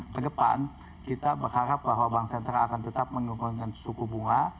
kedepan kita berharap bahwa bank sentral akan tetap menurunkan suku bunga